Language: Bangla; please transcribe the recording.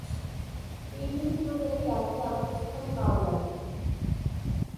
এই দুটি প্রজাতি একই আবাসস্থলে পাওয়া যায় না।